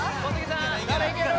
いける？